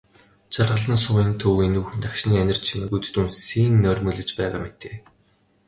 Жаргалан сумын төв энүүхэн агшны анир чимээгүйд дүнсийн нойрмоглож байгаа мэтээ.